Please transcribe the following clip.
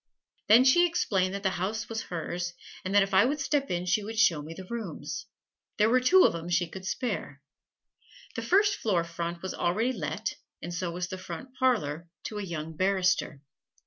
Then she explained that the house was hers, and that if I would step in she would show me the rooms. There were two of 'em she could spare. The first floor front was already let, and so was the front parlor to a young barrister.